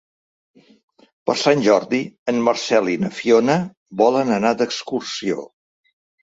Per Sant Jordi en Marcel i na Fiona volen anar d'excursió.